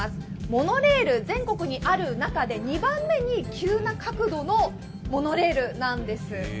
モノレール、全国にある中で２番目に急な角度のモノレールなんです。